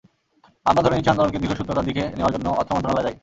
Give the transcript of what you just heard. আমরা ধরে নিচ্ছি, আন্দোলনকে দীর্ঘসূত্রতার দিকে নেওয়ার জন্য অর্থ মন্ত্রণালয় দায়ী।